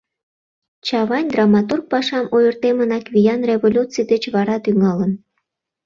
Чавайн драматург пашам ойыртемынак виян революций деч вара тӱҥалын.